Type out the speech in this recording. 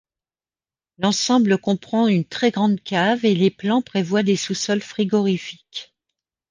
L'ensemble comprend une très grande cave et les plans prévoient des sous-sols frigorifiques.